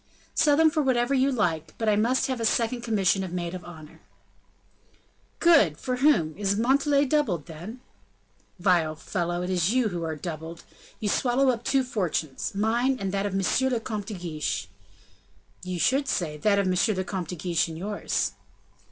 "Sell them for whatever you like, but I must have a second commission of maid of honor." "Good! for whom? Is Montalais doubled, then?" "Vile fellow! It is you who are doubled. You swallow up two fortunes mine, and that of M. le Comte de Guiche." "You should say, that of M. le Comte de Guiche and yours."